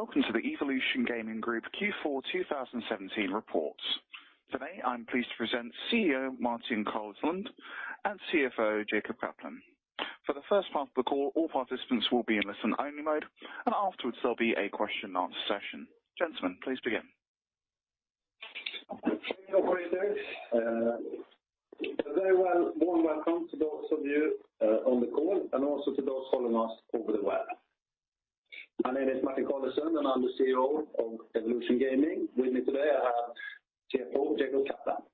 Welcome to the Evolution Gaming Group Q4 2017 report. Today, I'm pleased to present CEO Martin Carlesund and CFO Jacob Kaplan. For the first part of the call, all participants will be in listen-only mode. Afterwards, there'll be a question and answer session. Gentlemen, please begin. Thank you, operator. A very warm welcome to those of you on the call, and also to those following us over the web. My name is Martin Carlesund, and I'm the CEO of Evolution Gaming. With me today, I have CFO Jacob Kaplan.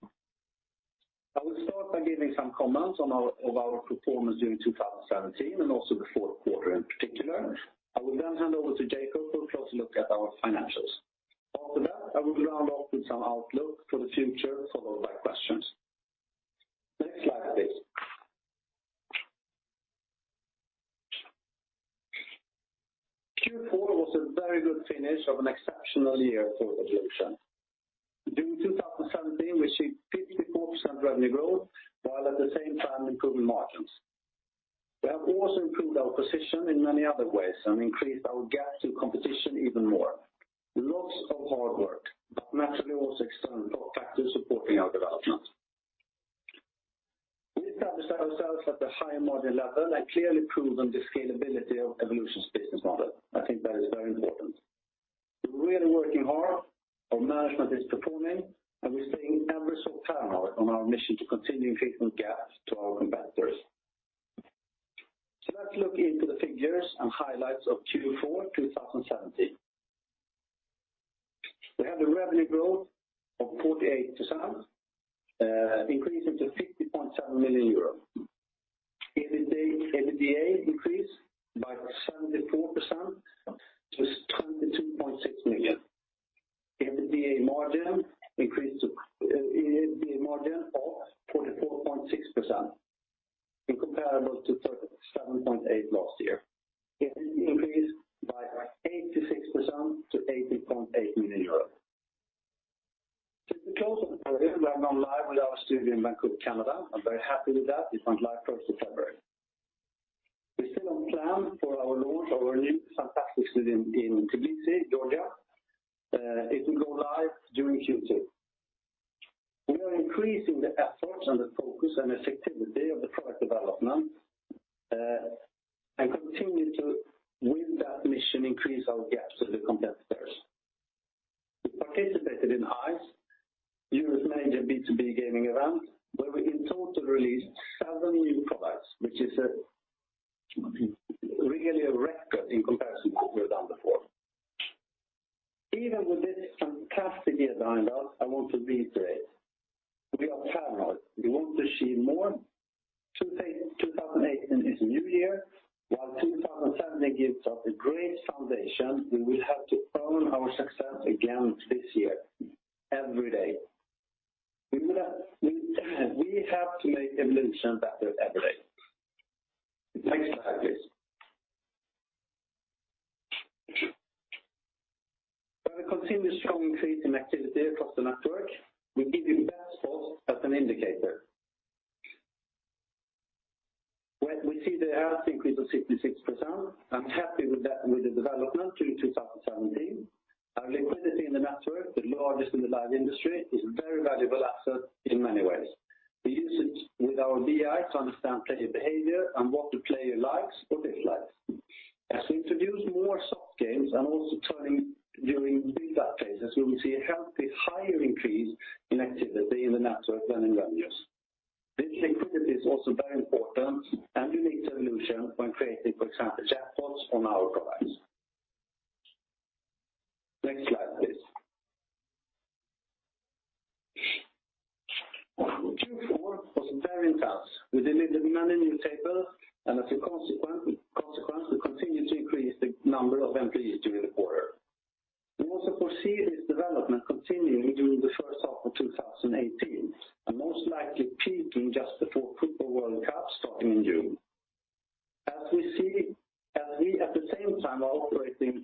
I will start by giving some comments of our performance during 2017 and also the fourth quarter in particular. I will hand over to Jacob for a closer look at our financials. After that, I will round off with some outlook for the future, followed by questions. Next slide, please. Q4 was a very good finish of an exceptional year for Evolution. During 2017, we achieved 54% revenue growth, while at the same time improving margins. We have also improved our position in many other ways and increased our gap to competition even more. Lots of hard work, but naturally also external factors supporting our development. We established ourselves at the higher margin level and clearly proven the scalability of Evolution's business model. I think that is very important. We're really working hard. Our management is performing, and we're staying ever so paranoid on our mission to continue creating gaps to our competitors. Let's look into the figures and highlights of Q4 2017. We have the revenue growth of 48%, increasing to 50.7 million euros. EBITDA increased by 74% to 22.6 million. EBITDA margin of 44.6%, comparable to 37.8% last year. It increased by 86% to EUR 18.8 million. To close on the period, we have gone live with our studio in Vancouver, Canada. I'm very happy with that. It went live 1st of February. We're still on plan for our launch of our new fantastic studio in Tbilisi, Georgia. It will go live during Q2. We are increasing the efforts and the focus and the activity of the product development, and continue to, with that mission, increase our gaps with the competitors. We participated in ICE, Europe's major B2B gaming event, where we in total released seven new products, which is really a record in comparison to what we've done before. Even with this fantastic year behind us, I want to reiterate, we are paranoid. We want to achieve more. 2018 is a new year. While 2017 gives us a great foundation, we will have to earn our success again this year, every day. We have to make Evolution better every day. Next slide, please. We have a continuous strong increase in activity across the network. We give you bet spots as an indicator. Well, we see there has increase of 66%. I'm happy with the development through 2017. Our liquidity in the network, the largest in the live industry, is a very valuable asset in many ways. We use it with our BI to understand player behavior and what the player likes, what they like. As we introduce more soft games and also turning during big update as we will see a healthy higher increase in activity in the network than in revenues. This liquidity is also very important and unique to Evolution when creating, for example, jackpots on our products. Next slide, please. Q4 was very intense. We delivered many new tables, and as a consequence, we continued to increase the number of employees during the quarter. We also foresee this development continuing during the first half of 2018, and most likely peaking just before football World Cup starting in June. We at the same time are opening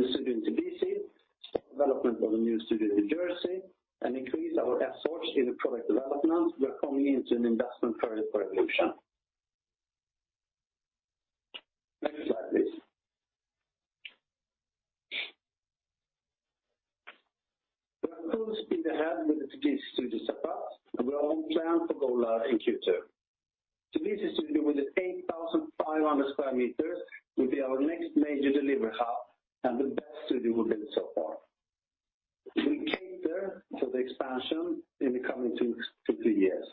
the studio in Tbilisi, start development of a new studio in New Jersey, and increase our efforts in the product development, we are coming into an investment period for Evolution. Next slide, please. We are full speed ahead with the Tbilisi studio setup, and we are on plan for go live in Q2. Tbilisi studio with its 8,500 square meters will be our next major delivery hub and the best studio we've built so far. It will cater to the expansion in the coming two to three years.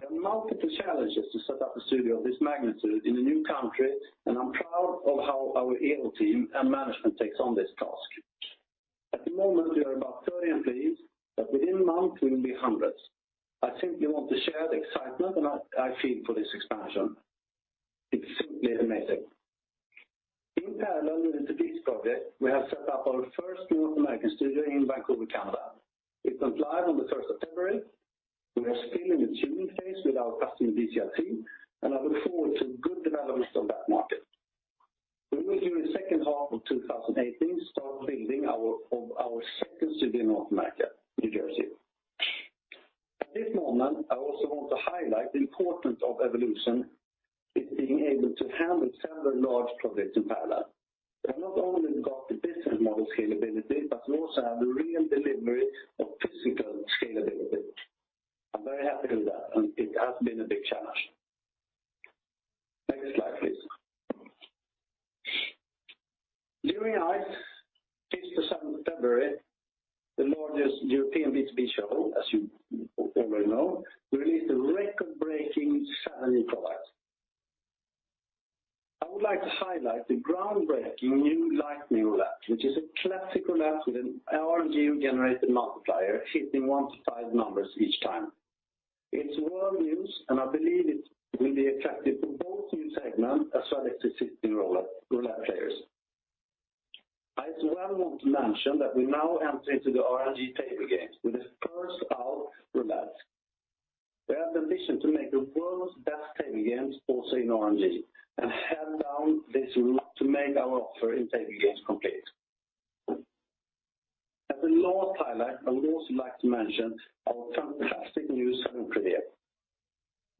There are multiple challenges to set up a studio of this magnitude in a new country, and I'm proud of how our able team and management takes on this task. At the moment, we are about 30 employees, but within months, we will be hundreds. I simply want to share the excitement that I feel for this expansion. It's simply amazing. In parallel with the Tbilisi project, we have set up our first North American studio in Vancouver, Canada. It went live on the 1st of February. We are still in the tuning phase with our customer DCR team, and I look forward to good developments on that market. We will, during second half of 2018, start building our second studio in North America, New Jersey. At this moment, I also want to highlight the importance of Evolution is being able to handle several large projects in parallel. We have not only got the business model scalability, but we also have the real delivery of physical scalability. I'm very happy with that, and it has been a big challenge. Next slide, please. During ICE, 5th to 7th February, the largest European B2B show, as you already know, released a record-breaking seven new products. I would like to highlight the groundbreaking new Lightning Roulette, which is a classical app with an RNG-generated multiplier hitting one to five numbers each time. It's world news, and I believe it will be attractive to both new segments as well as existing roulette players. I as well want to mention that we now enter into the RNG table games with the first out roulette. We have the ambition to make the world's best table games also in RNG and head down this route to make our offer in table games complete. As the last highlight, I would also like to mention our fantastic new Salon Privé,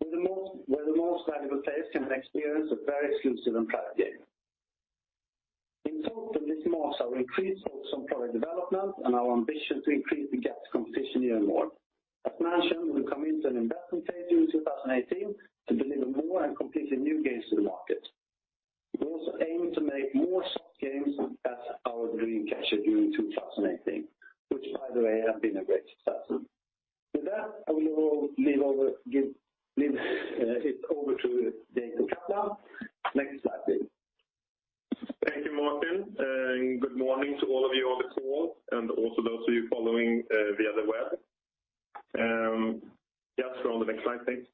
where the most valuable players can experience a very exclusive and private game. In total, this marks our increased focus on product development and our ambition to increase the gap to competition year-on-year. As mentioned, we will commit an investment phase during 2018 to deliver more and completely new games to the market. We also aim to make more soft games as our Dream Catcher during 2018, which by the way, have been a great success. With that, I will leave it over to Jacob Kaplan. Next slide, please. Thank you, Martin, and good morning to all of you on the call and also those of you following via the web. Yes, we are on the next slide, thanks.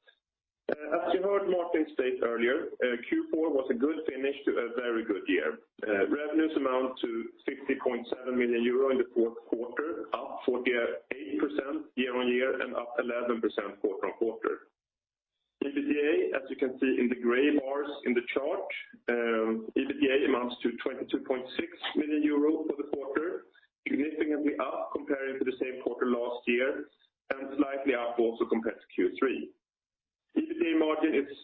As you heard Martin state earlier, Q4 was a good finish to a very good year. Revenues amount to 50.7 million euro in the fourth quarter, up 48% year-on-year and up 11% quarter-on-quarter. EBITDA, as you can see in the gray bars in the chart, EBITDA amounts to 22.6 million euros for the quarter, significantly up comparing to the same quarter last year and slightly up also compared to Q3. EBITDA margin is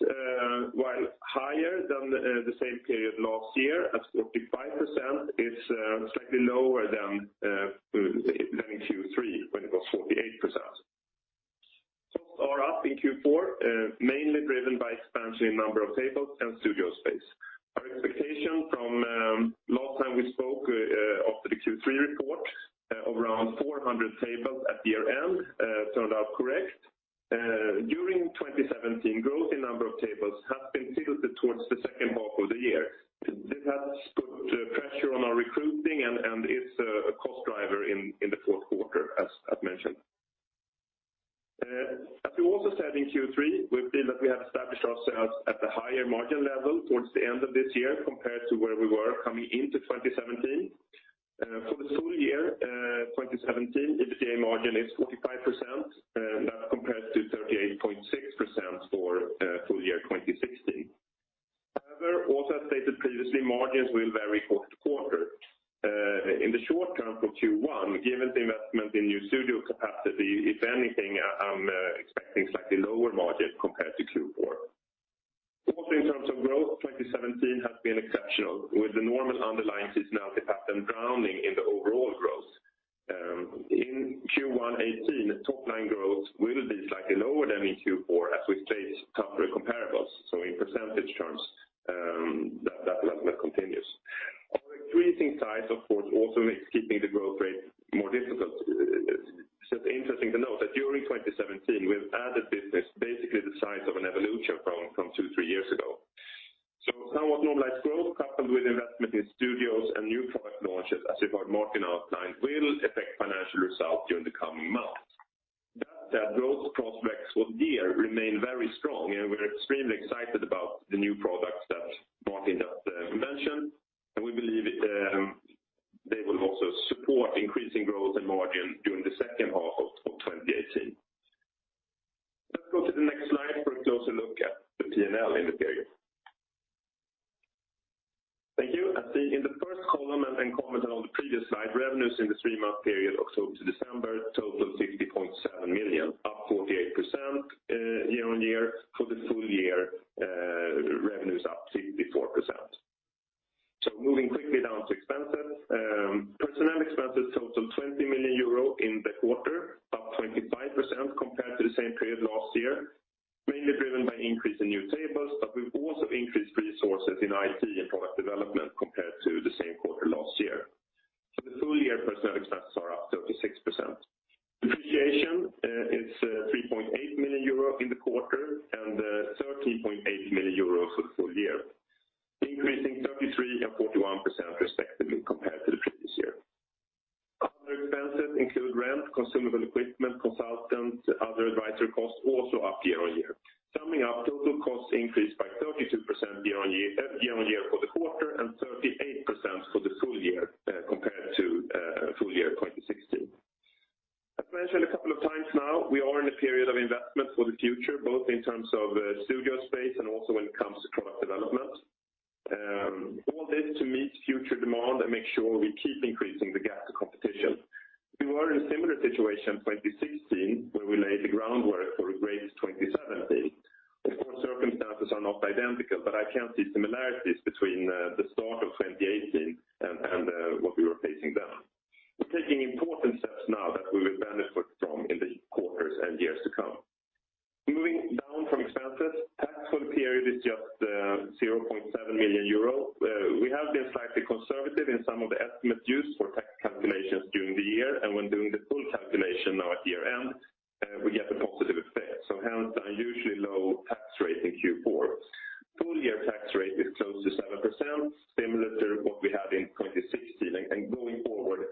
while higher than the same period last year at 45%, is slightly lower than Q3 when it was 48%. Costs are up in Q4, mainly driven by expansion in number of tables and studio space. Our expectation from last time we spoke after the Q3 report of around 400 tables at year-end turned out correct. During 2017, growth in number of tables has been tilted towards the second half of the year. This has put pressure on our recruiting, and it is a cost driver in the fourth quarter as mentioned. As we also said in Q3, we feel that we have established ourselves at the higher margin level towards the end of this year compared to where we were coming into 2017. For the full year 2017, EBITDA margin is 45%. That compares to 38.6% for full year 2016. However, also as stated previously, margins will vary quarter-to-quarter. In the short term from Q1, given the investment in new studio capacity, if anything, I am expecting slightly lower margin compared to Q4. Also in terms of growth, 2017 has been exceptional with the normal underlying seasonality pattern drowning in the overall growth. In Q1 2018, top-line growth will be slightly lower than in Q4 as we face tougher comparables, so in percentage terms, that level continues. Our increasing size, of course, also makes keeping the growth rate more difficult. It is interesting to note that during 2017, we have added business basically the size of an Evolution from two, three years ago. Somewhat normalized growth coupled with investment in studios and new product launches, as you have heard Martin outline, will affect financial results during the coming months. That said, growth prospects for the year remain very strong, and we are extremely excited about the new products that Martin just mentioned, and we believe they will also support increasing growth and margin during the second half of 2018. Let's go to the next slide for a closer look at the P&L in the period. Thank you. As seen in the first column and commented on the previous slide, revenues in the three-month period October to December totaled 50.7 million, up 48% year-over-year. For the full year, revenues up 54%. Moving quickly down to expenses. Personnel expenses totaled 20 million euro in the quarter, up 25% compared to the same period last year, mainly driven by increase in new tables, but we've also increased resources in IT and product development compared to the same quarter last year. For the full year, personnel expenses are up 36%. Depreciation is 3.8 million euro in the quarter and 13.8 million euro for the full year, increasing 33% and 41% respectively compared to the previous year. Other expenses include rent, consumable equipment, consultants, other advisory costs also up year-over-year. we get a positive effect. Hence an usually low tax rate in Q4. Full year tax rate is close to 7%, similar to what we had in 2016. Going forward,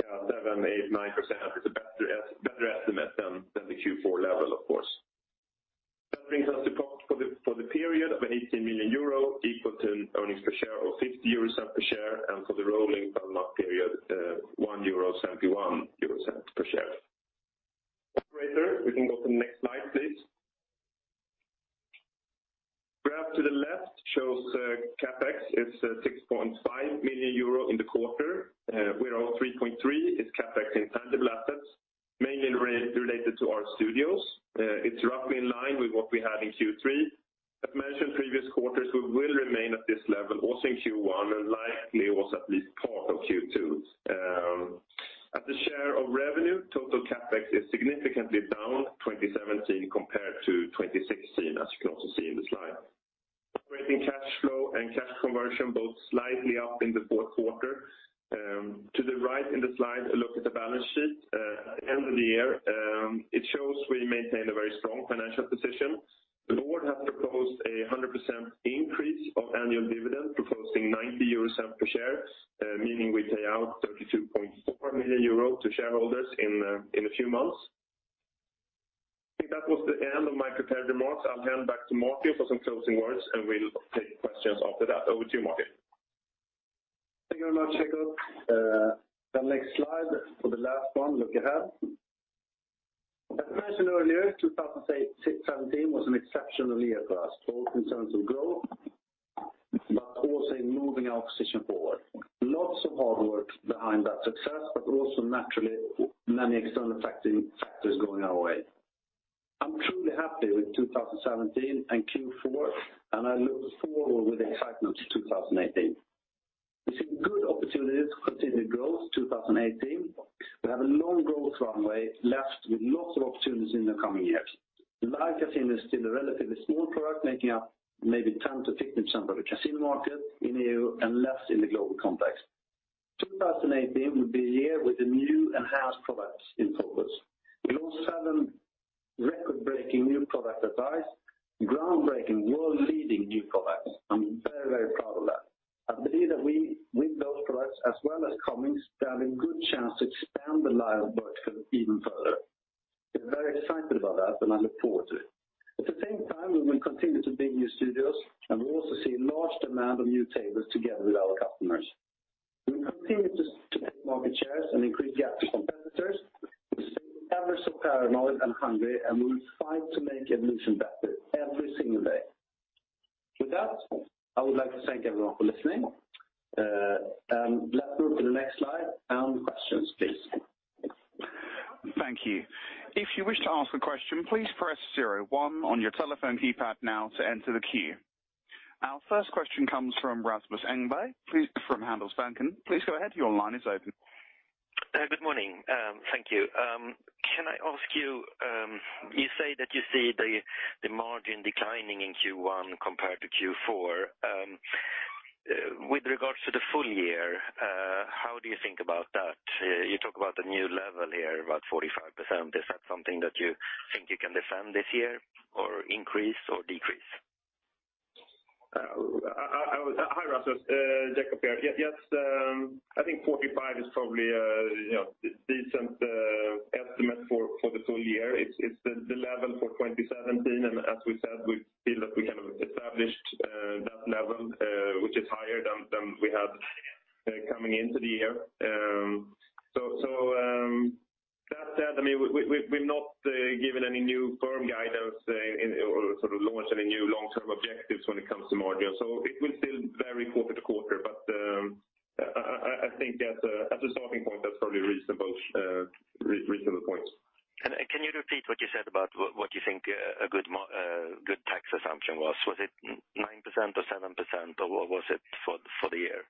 7%, 8%, 9% is a better estimate than the Q4 level, of course. That brings us to profit for the period of 18 million euro, equal to earnings per share of 0.50 per share, and for the rolling 12-month period, 1.71 euro per share. Operator, we can go to the next slide, please. Graph to the left shows CapEx is 6.5 million euro in the quarter, where 3.3 is CapEx in tangible assets, mainly related to our studios. It's roughly in line with what we had in Q3. As mentioned previous quarters, we will remain at this level also in Q1 and likely also at least part of Q2. As a share of revenue, total CapEx is significantly down 2017 compared to 2016, as you can also see in the slide. Operating cash flow and cash conversion both slightly up in the fourth quarter. To the right in the slide, a look at the balance sheet at the end of the year. It shows we maintain a very strong financial position. The board has proposed a 100% increase of annual dividend, proposing 0.90 euros per share, meaning we pay out 32.4 million euros to shareholders in a few months. I think that was the end of my prepared remarks. I'll hand back to Martin for some closing words, and we'll take questions after that. Over to you, Martin. Thank you very much, Jacob. The next slide for the last one, look ahead. As mentioned earlier, 2017 was an exceptional year for us, both in terms of growth, but also in moving our position forward. Lots of hard work behind that success, but also naturally many external factors going our way. I'm truly happy with 2017 and Q4, and I look forward with excitement to 2018. We see good opportunities for continued growth 2018. We have a long growth runway left with lots of opportunities in the coming years. Live Casino is still a relatively small product, making up maybe 10%-15% of the casino market in EU and less in the global context. 2018 will be a year with new enhanced products in focus. We launched seven record-breaking new product at ICE. Groundbreaking, world-leading new products. I'm very proud of that. I believe that with those products as well as coming, we have a good chance to expand the Live portfolio even further. We're very excited about that, and I look forward to it. At the same time, we will continue to build new studios, and we also see large demand on new tables together with our customers. We will continue to take market shares and increase gap to competitors. We stay ever so paranoid and hungry, and we will fight to make Evolution better every single day. With that, I would like to thank everyone for listening. Let's move to the next slide. Questions, please. Thank you. If you wish to ask a question, please press zero one on your telephone keypad now to enter the queue. Our first question comes from Rasmus Engberg from Handelsbanken. Please go ahead. Your line is open. Good morning. Thank you. Can I ask you say that you see the margin declining in Q1 compared to Q4. With regards to the full year, how do you think about that? You talk about the new level here, about 45%. Is that something that you think you can defend this year or increase or decrease? Hi, Rasmus. Jakob here. I think 45 is probably a decent estimate for the full year. It's the level for 2017. As we said, we feel that we kind of established that level which is higher than we had coming into the year. That said, we've not given any new firm guidance or sort of launched any new long-term objectives when it comes to margin. It will still vary quarter to quarter. I think as a starting point, that's probably a reasonable point. Can you repeat what you said about what you think a good tax assumption was? Was it 9% or 7% or what was it for the year?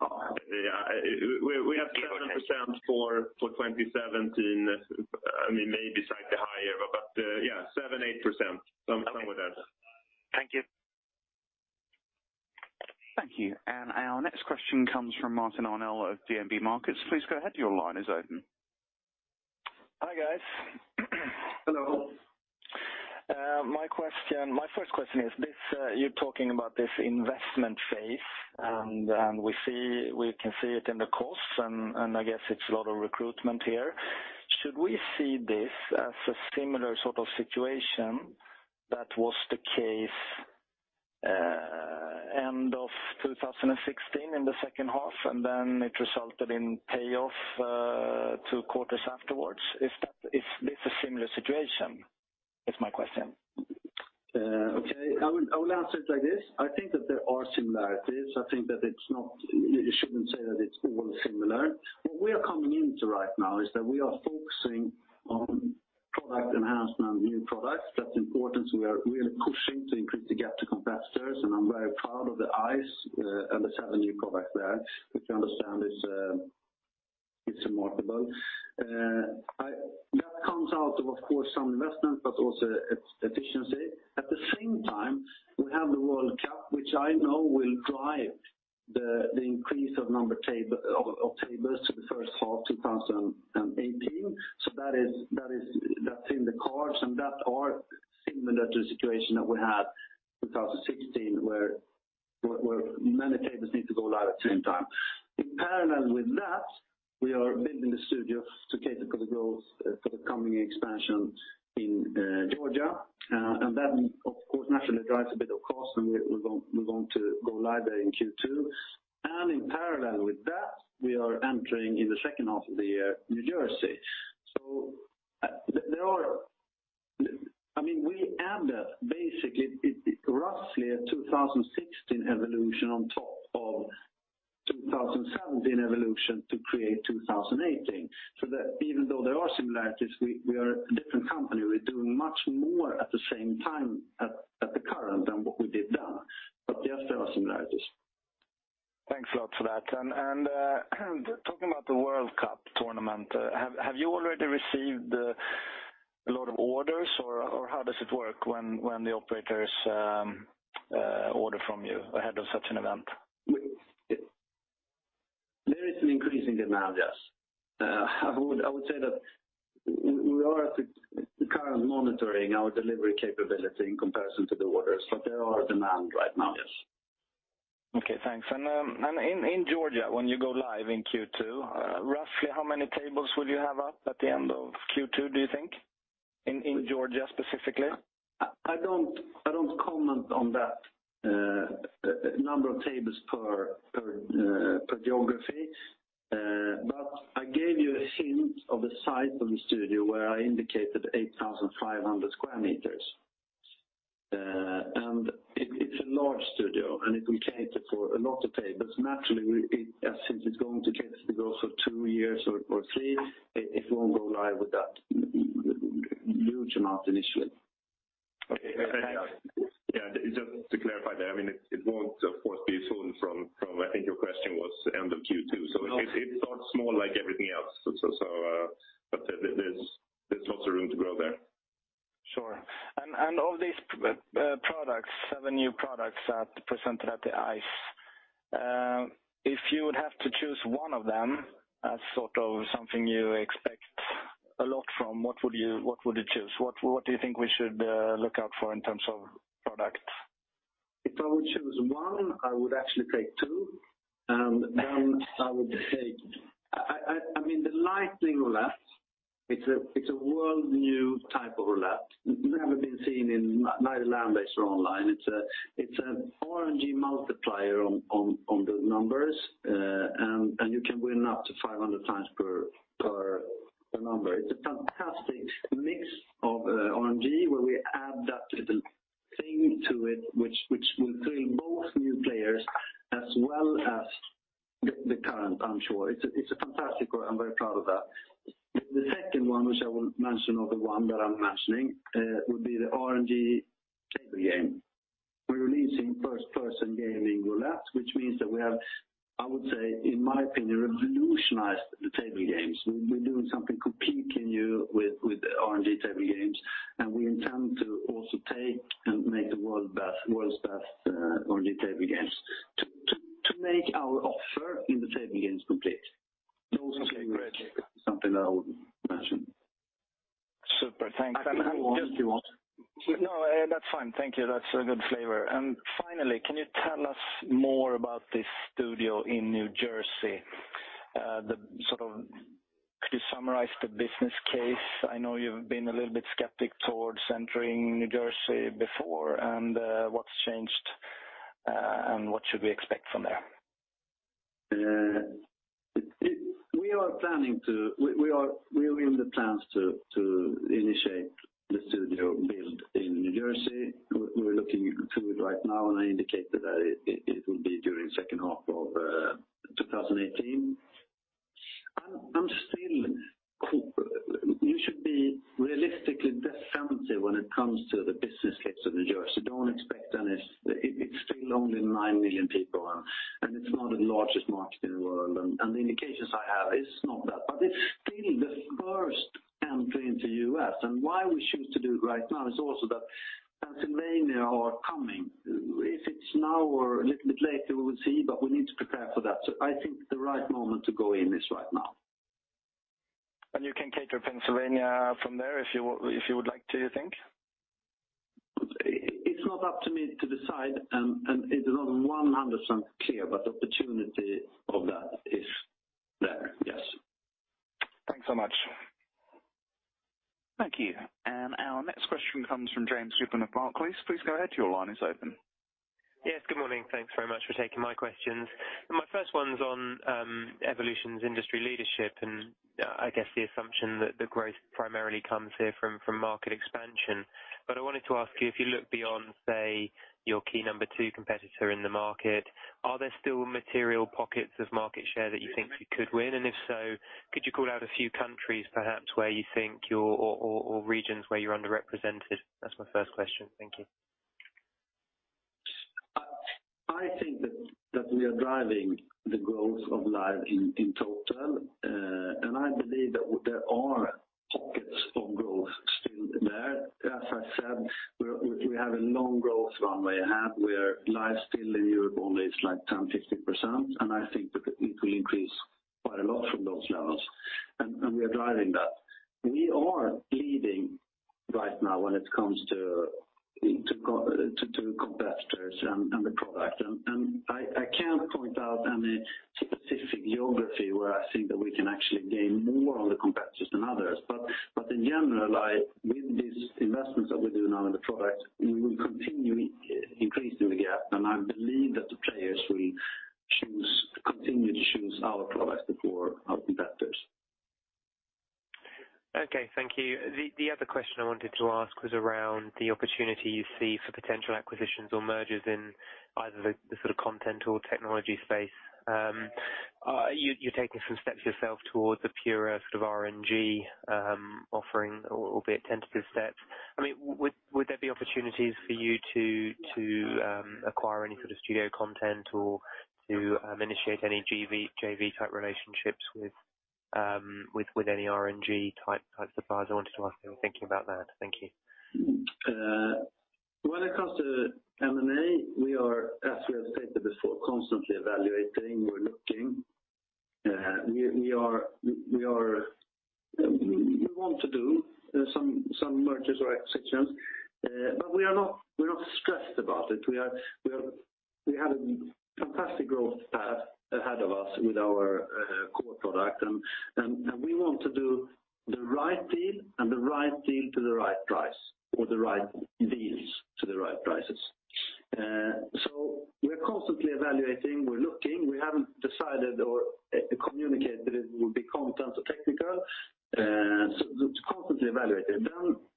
We have 7% for 2017. Maybe slightly higher. Yeah, 7%, 8%, somewhere there. Thank you. Thank you. Our next question comes from Martin Arnell of DNB Markets. Please go ahead. Your line is open. Hi, guys. Hello. My first question is, you're talking about this investment phase, and we can see it in the costs, and I guess it's a lot of recruitment here. Should we see this as a similar sort of situation that was the case end of 2016 in the second half, and then it resulted in payoff two quarters afterwards? Is this a similar situation? It's my question. Okay. I will answer it like this. I think that there are similarities. I think that you shouldn't say that it's all similar. What we are coming into right now is that we are focusing on product enhancement and new products. That's important. We are really pushing to increase the gap to competitors, and I'm very proud of the ICE, and let's have a new product there, which I understand is remarkable. That comes out of course, some investments, but also efficiency. At the same time, we have the World Cup, which I know will drive the increase of number of tables to the first half 2018. That's in the cards, and that are similar to the situation that we had 2016, where many tables need to go live at the same time. In parallel with that, we are building the studio to cater for the growth for the coming expansion in Georgia. That, of course, naturally drives a bit of cost, and we're going to go live there in Q2. In parallel with that, we are entering in the second half of the year, New Jersey. We added basically, roughly a 2016 Evolution on top of 2017 Evolution to create 2018. Even though there are similarities, we are a different company. We're doing much more at the same time at the current than what we did then. Yes, there are similarities. Thanks a lot for that. Talking about the World Cup tournament, have you already received a lot of orders, or how does it work when the operators order from you ahead of such an event? There is an increasing demand, yes. I would say that we are at the current monitoring our delivery capability in comparison to the orders, there are demand right now, yes. Okay, thanks. In Georgia, when you go live in Q2, roughly how many tables will you have up at the end of Q2, do you think? In Georgia, specifically. I don't comment on that, number of tables per geography. I gave you a hint of the size of the studio where I indicated 8,500 sq m. It's a large studio, and it will cater for a lot of tables. Naturally, since it's going to cater to the growth for two years or three, it won't go live with that huge amount initially. Okay. Just to clarify there, it won't, of course, be full from, I think your question was end of Q2. It starts small like everything else. There's lots of room to grow there. Of these products, seven new products that presented at the ICE. If you would have to choose one of them as sort of something you expect a lot from, what would you choose? What do you think we should look out for in terms of product? If I would choose one, I would actually take two, and then I would take the Lightning Roulette. It's a world new type of roulette. Never been seen in land-based or online. It's an RNG multiplier on the numbers. You can win up to 500 times per number. It's a fantastic mix of RNG where we add that little thing to it, which will thrill both new players as well as the current, I'm sure. It's fantastic. I'm very proud of that. The second one, which I won't mention of the one that I'm mentioning, would be the RNG table games. We're releasing First Person game in roulette, which means that we have, I would say, in my opinion, revolutionized the table games. We're doing something completely new with RNG table games, and we intend to also take and make the world's best RNG table games. To make our offer in the table games complete. Those two games are something that I would mention. Super. Thanks. I can go on if you want. No, that's fine. Thank you. That's a good flavor. Finally, can you tell us more about this studio in New Jersey? Could you summarize the business case? I know you've been a little bit skeptic towards entering New Jersey before, what's changed, what should we expect from there? We are in the plans to initiate the studio build in New Jersey. We're looking into it right now, I indicated that it will be during second half of 2018. You should be realistically defensive when it comes to the business case of New Jersey. Don't expect. It's still only nine million people, it's not the largest market in the world. The indications I have, it's not that. It's still the first entry into U.S. Why we choose to do it right now is also that Pennsylvania are coming. If it's now or a little bit later, we will see, but we need to prepare for that. I think the right moment to go in is right now. You can cater Pennsylvania from there if you would like to, you think? It's not up to me to decide, it's not 100% clear, the opportunity of that is there, yes. Thanks so much. Thank you. Our next question comes from James Goodwin of Barclays. Please go ahead. Your line is open. Yes. Good morning. Thanks very much for taking my questions. My first one's on Evolution's industry leadership, I guess the assumption that the growth primarily comes here from market expansion. I wanted to ask you, if you look beyond, say, your key number 2 competitor in the market, are there still material pockets of market share that you think you could win? If so, could you call out a few countries perhaps, or regions where you're underrepresented? That's my first question. Thank you. I think that we are driving the growth of Live in total, I believe that there are pockets of growth still there. As I said, we have a long growth runway ahead where Live still in Europe only is 10%-15%, I think that it will increase quite a lot from those levels. We are driving that. We are leading right now when it comes to competitors and the product. I can't point out any specific geography where I think that we can actually gain more on the competitors than others, in general, with these investments that we do now in the product, we will continue increasing the gap, I believe that the players will continue to choose our product before our competitors. Okay. Thank you. The other question I wanted to ask was around the opportunity you see for potential acquisitions or mergers in either the content or technology space. You're taking some steps yourself towards a pure sort of RNG offering, albeit tentative steps. Would there be opportunities for you to acquire any sort of studio content or to initiate any JV-type relationships with any RNG-type suppliers? I wanted to ask if you were thinking about that. Thank you. When it comes to M&A, we are, as we have stated before, constantly evaluating. We're looking. We want to do some mergers or acquisitions, we're not stressed about it. We have a fantastic growth path ahead of us with our core product, we want to do the right deal and the right deal to the right price, or the right deals to the right prices. We're constantly evaluating. We're looking. We haven't decided or communicated it will be content or technical. Just constantly evaluating.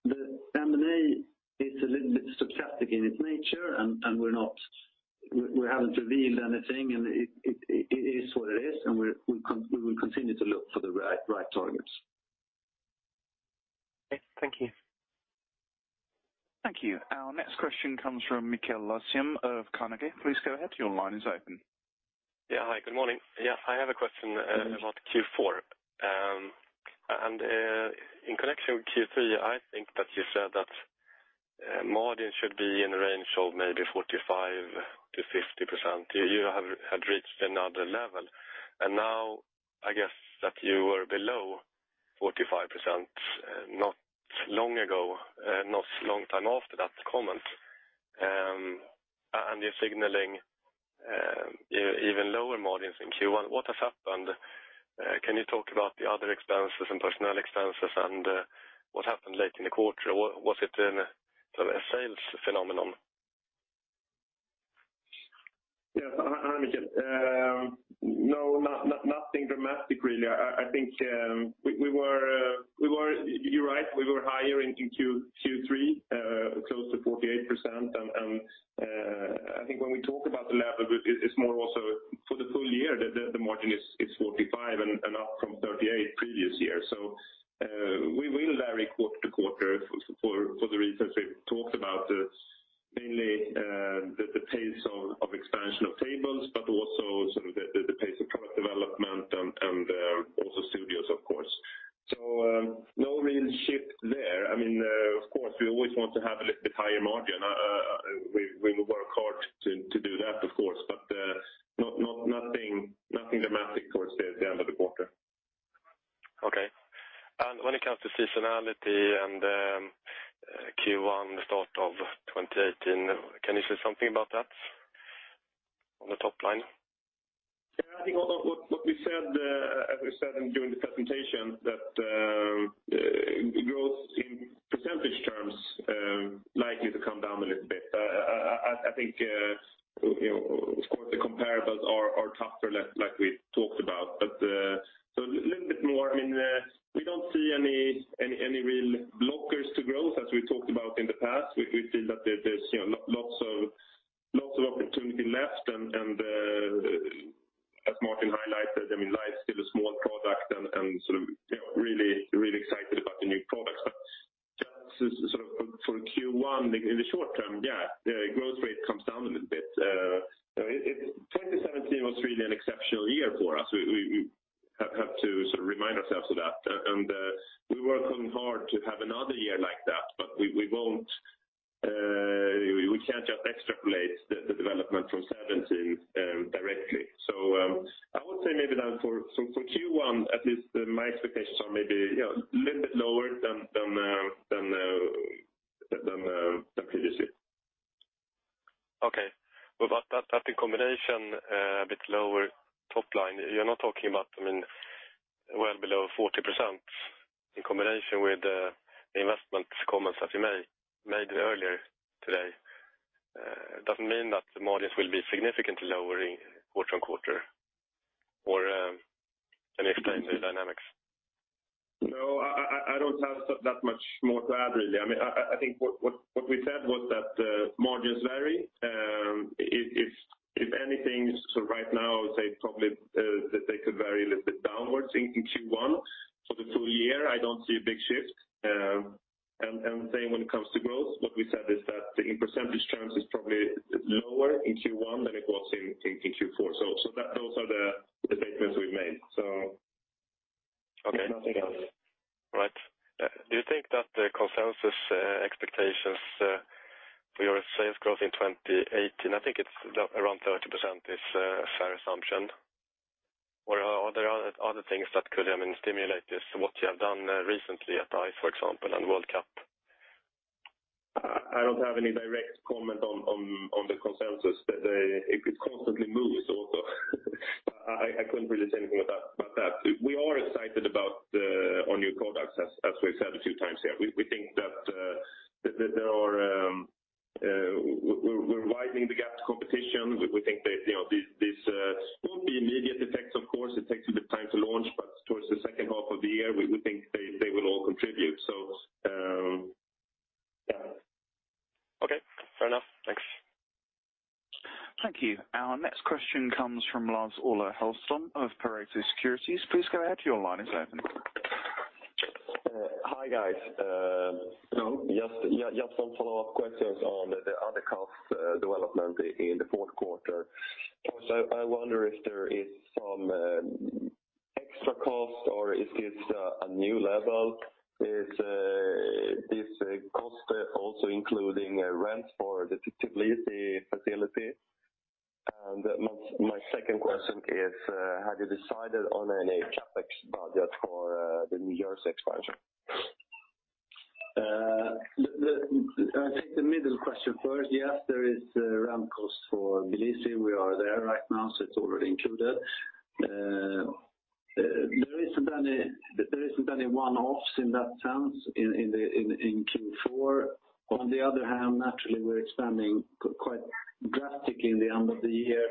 The M&A is a little bit stochastic in its nature, we haven't revealed anything, it is what it is, and we will continue to look for the right targets. Okay. Thank you. Thank you. Our next question comes from Mikael Laséen of Carnegie. Please go ahead. Your line is open. Hi, good morning. Yeah, I have a question about Q4. In connection with Q3, I think that you said that margin should be in range of maybe 45%-50%. You had reached another level, now I guess that you were below 45% not long time after that comment. You're signaling even lower margins in Q1. What has happened? Can you talk about the other expenses and personnel expenses, what happened late in the quarter? Was it a sales phenomenon? Yes. Hi, Mikael. No, nothing dramatic really. You're right, we were higher in Q3, close to 48%, and I think when we talk about the level, it's more also for the full year that the margin is 45% and up from 38% previous year. We will vary quarter to quarter for the reasons we've talked about, mainly the pace of expansion of tables, but also sort of the pace of product development and also studios, of course. No real shift there. Of course, we always want to have a little bit higher margin. We will work hard to do that, of course, but nothing dramatic towards the end of the quarter. Okay. When it comes to seasonality and Q1, the start of 2018, can you say something about that on the top line? Yeah, I think what we said during the presentation, that growth in percentage terms likely to come down a little bit. I think of course the comparables are tougher, like we talked about. A little bit more, we don't see any real blockers to growth as we talked about in the past. We feel that there's lots of opportunity left, and as Martin highlighted, Live is still a small product and we're really excited about the new products. That's for Q1, in the short term, yeah, growth rate comes down a little bit. 2017 was really an exceptional year for us. We have to remind ourselves of that. We're working hard to have another year like that, but we can't just extrapolate the development from 2017 directly. I would say maybe then for Q1 at least, my expectations are maybe a little bit lower than previously. Okay. That in combination, a bit lower top line. You're not talking about well below 40% in combination with the investment comments that you made earlier today. Does it mean that the margins will be significantly lower quarter-on-quarter? Or can you explain the dynamics? I don't have that much more to add, really. I think what we said was that margins vary. If anything, right now, I would say probably that they could vary a little bit downwards in Q1. For the full year, I don't see a big shift. Same when it comes to growth, what we said is that in percentage terms, it's probably lower in Q1 than it was in Q4. Those are the statements we've made. Okay nothing else. Right. Do you think that the consensus expectations for your sales growth in 2018, I think it's around 30% is a fair assumption, or are there other things that could stimulate this, what you have done recently at ICE, for example, and World Cup? I don't have any direct comment on the consensus. It constantly moves also. I couldn't really say anything about that. We are excited about our new products, as we've said a few times here. We think that we're widening the gap to competition. We think that this won't be immediate effects, of course. It takes a bit of time to launch, but towards the second half of the year, we think they will all contribute. Okay. Fair enough. Thanks. Thank you. Our next question comes from Lars-Ola Hellström of Pareto Securities. Please go ahead, your line is open. Hi, guys. Hello. Just some follow-up questions on the other cost development in the fourth quarter. First, I wonder if there is some extra cost or if it's a new level. Is this cost also including rents for the Tbilisi facility? My second question is, have you decided on any CapEx budget for the New Jersey expansion? I'll take the middle question first. Yes, there is rent cost for Tbilisi. We are there right now, so it's already included. There isn't any one-offs in that sense in Q4. Naturally, we're expanding quite drastically in the end of the year,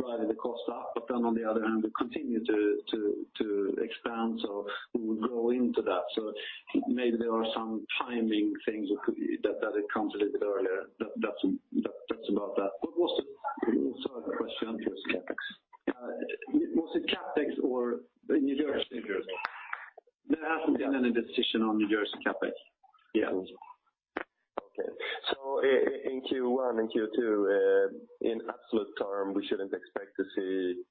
driving the cost up. On the other hand, we continue to expand, so we will grow into that. Maybe there are some timing things that it comes a little bit earlier. That's about that. What was the other question? CapEx. Was it CapEx or New Jersey? New Jersey. There hasn't been any decision on New Jersey CapEx yet. Okay. In Q1 and Q2, in absolute terms, we shouldn't expect to see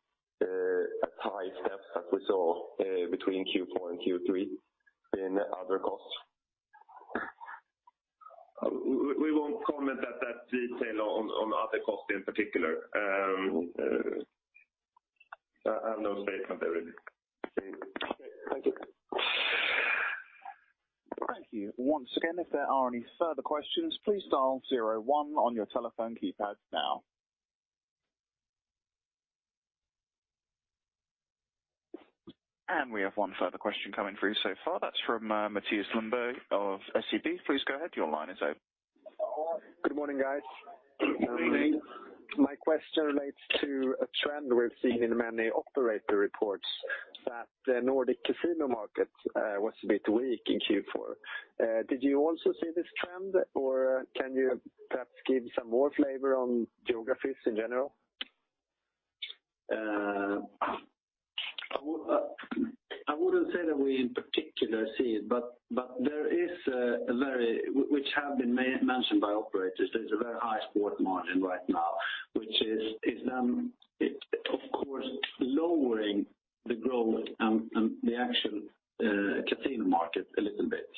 a high step as we saw between Q4 and Q3 in other costs? We won't comment that detail on other costs in particular. I have no statement there, really. Okay, great. Thank you. Thank you. Once again, if there are any further questions, please dial 01 on your telephone keypads now. We have one further question coming through so far. That's from Mathias Lundberg of SEB. Please go ahead. Your line is open. Good morning, guys. Good morning. My question relates to a trend we've seen in many operator reports that the Nordic casino market was a bit weak in Q4. Did you also see this trend, or can you perhaps give some more flavor on geographies in general? I wouldn't say that we in particular see it, but which have been mentioned by operators, there's a very high sport margin right now, which is then, of course, lowering the growth and the actual casino market a little bit.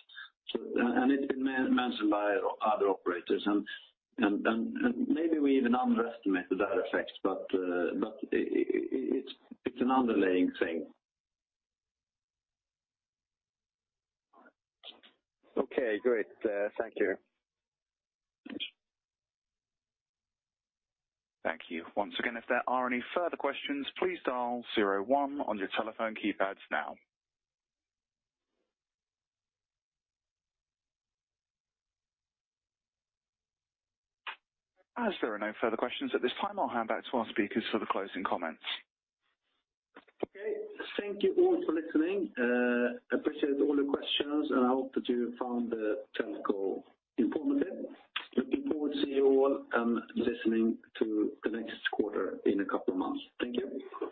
It's been mentioned by other operators, and maybe we even underestimate that effect, but it's an underlying thing. Okay, great. Thank you. Thank you. Once again, if there are any further questions, please dial 01 on your telephone keypads now. As there are no further questions at this time, I'll hand back to our speakers for the closing comments. Okay. Thank you all for listening. Appreciate all your questions, and I hope that you have found the telco informative. Looking forward to see you all and listening to the next quarter in a couple of months. Thank you.